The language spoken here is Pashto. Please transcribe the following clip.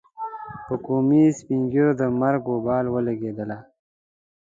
پر قومي سپين ږيرو د مرګ وبا ولګېدله.